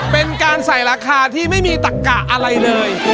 เป็นการใส่ราคาที่ไม่มีตักกะอะไรเลย